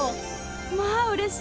まあうれしい。